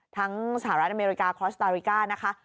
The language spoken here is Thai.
สหรัฐอเมริกาคลอสตาริกานะคะ